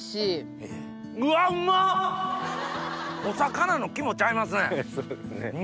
お魚のキモちゃいますね。